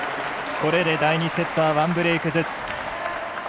これで第２セットは１ブレークずつ。